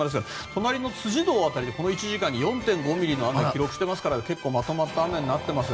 隣の辻堂辺りでこの１時間に４．５ミリの雨を記録していますから結構まとまった雨になっています。